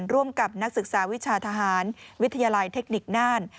ร่วมกับนักศึกษาวิชาทหารวิทยาลัยเทคนิคน่าน